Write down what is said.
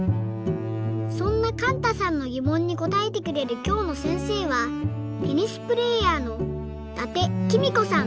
そんなかんたさんのぎもんにこたえてくれるきょうのせんせいはテニスプレーヤーの伊達公子さん。